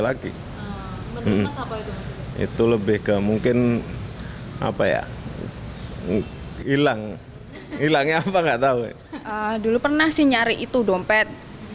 lagi itu lebih ke mungkin apa ya hilang hilangnya apa enggak tahu dulu pernah sih nyari itu dompet